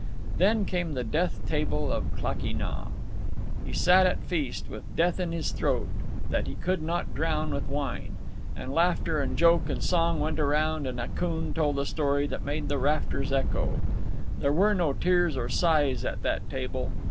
Then came the death table of Klakee Nah. He sat at feast, with death in his throat, that he could not drown with wine. And laughter and joke and song went around, and Akoon told a story that made the rafters echo. There were no tears or sighs at that table.